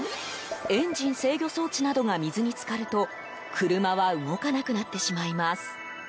エンジン制御装置などが水に浸かると車は動かなくなってしまいます。